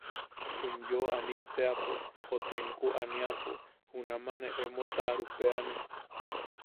Um yoo ania teapo o tenku aniapo junama ne emo taʼarupeʼeanne.